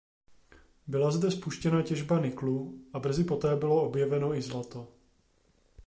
Byla zde spuštěna těžba niklu a brzy poté bylo objeveno i zlato.